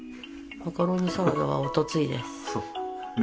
マカロニサラダはおとついです。